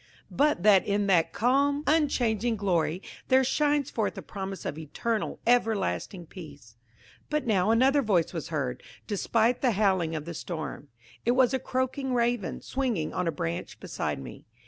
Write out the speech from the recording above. –but that in that calm unchanging glory there shines forth a promise of eternal, everlasting peace. But now another voice was heard, despite the howling of the storm. It was a croaking Raven, swinging on a branch beside me.